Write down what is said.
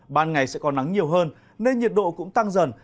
ban ngày sẽ có nắng nhiều hơn nên nhiệt độ cũng tăng dần